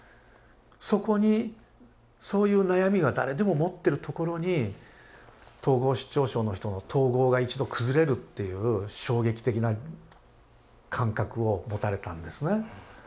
そこにそういう悩みは誰でも持ってるところに統合失調症の人の統合が一度崩れるっていう衝撃的な感覚を持たれたんですね。